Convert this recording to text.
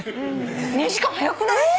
２時間早くない？え！？